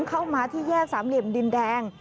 เข้ามาที่แยกสามเหลี่ยมดินแดง